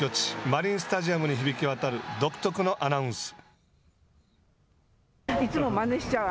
マリンスタジアムに響き渡る独特のアナウンス。